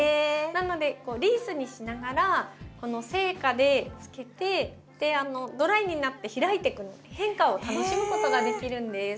なのでリースにしながら生花でつけてドライになって開いてく変化を楽しむことができるんです。